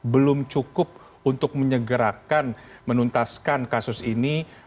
belum cukup untuk menyegerakan menuntaskan kasus ini